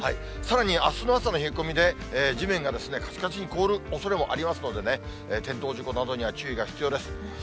さらに、あすの朝の冷え込みで、地面がかちかちに凍るおそれもありますのでね、転倒事故などには注意が必要です。